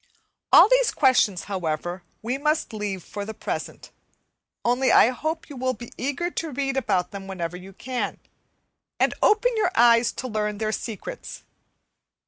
All these questions, however, we must leave for the present; only I hope you will be eager to read about them wherever you can, and open your eyes to learn their secrets.